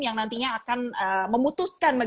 yang nantinya akan memutuskan